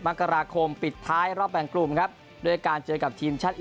มกราคมปิดท้ายรอบแบ่งกลุ่มครับด้วยการเจอกับทีมชาติอี